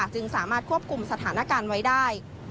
จึงสามารถควบคุมสถานการณ์ไว้ได้